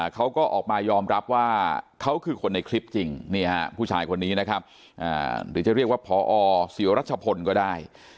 เขาก็ออกมายอมรับว่าเขาคือคนในคลิปจริงผู้ชายคนนี้นะครับหรือจะเรียกว่าพอเสียวรัชพลก็ได้